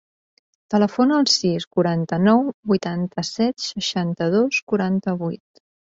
Telefona al sis, quaranta-nou, vuitanta-set, seixanta-dos, quaranta-vuit.